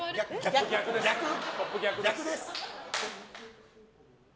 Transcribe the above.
逆です。